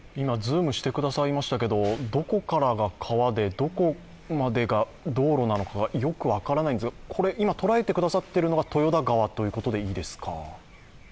どこからが川でどこまでが道路なのかがよく分からないんですが、今捉えてくださっているのが豊田川ということでいいですか。